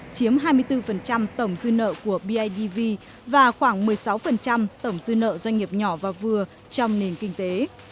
chiếm hai mươi bốn tổng dư nợ của bidv và khoảng một mươi sáu tổng dư nợ doanh nghiệp nhỏ và vừa trong nền kinh tế